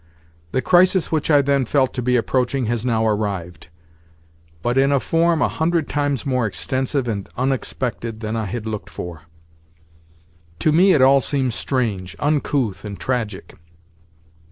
The crisis which I then felt to be approaching has now arrived, but in a form a hundred times more extensive and unexpected than I had looked for. To me it all seems strange, uncouth, and tragic.